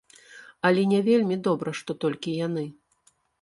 Але не вельмі добра, што толькі яны.